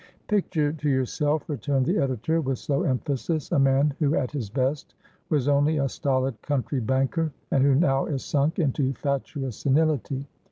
"Picture to yourself," returned the editor, with slow emphasis, "a man who at his best was only a stolid country banker, and who now is sunk into fatuous senility.